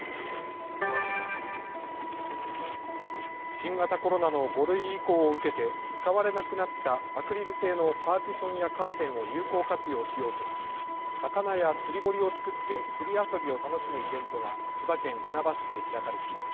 新型コロナの５類移行を受けて使われなくなったアクリル製のパーティションやカーテンを有効活用しようと魚や釣堀を作って釣り遊びを楽しむイベントが千葉県船橋市で開かれています。